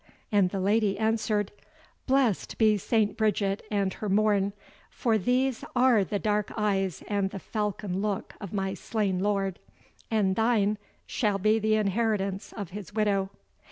And the Lady answered, "Blessed be Saint Bridget and her morn, for these are the dark eyes and the falcon look of my slain lord; and thine shall be the inheritance of his widow."